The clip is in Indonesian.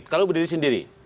kalau berdiri sendiri